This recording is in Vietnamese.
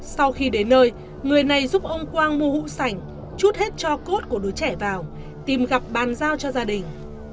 sau khi đến nơi người này giúp ông quang mua sảnh chút hết cho cốt của đứa trẻ vào tìm gặp bàn giao cho gia đình